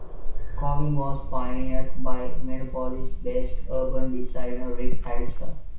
Coving was pioneered by Minneapolis-based urban designer Rick Harrison.